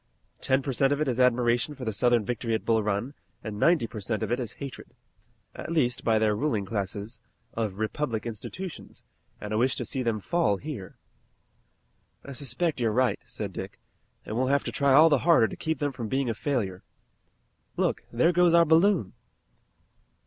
Ten per cent of it is admiration for the Southern victory at Bull Run, and ninety per cent of it is hatred at least by their ruling classes of republican institutions, and a wish to see them fall here." "I suspect you're right," said Dick, "and we'll have to try all the harder to keep them from being a failure. Look, there goes our balloon!"